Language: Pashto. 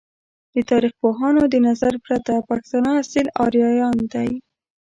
د تاریخ پوهانو د نظر پرته ، پښتانه اصیل آریایان دی!